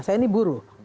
saya ini buruh